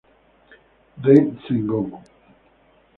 Ren Sengoku